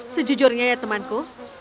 sejujurnya ya temanku